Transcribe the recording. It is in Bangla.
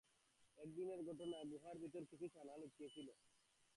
একদিনের ঘটনা, একটি গুহার ভেতর কিছু নেকড়ে ছানার সঙ্গে খেলায় মেতে ওঠেন মারকোস।